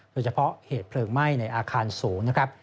โดยเฉพาะเหตุเพลิงไหม้ในอาคารสูงนะครับ